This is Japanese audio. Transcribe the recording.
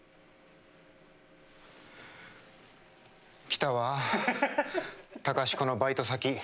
来たわ隆子のバイト先。